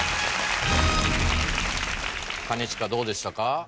兼近どうでしたか？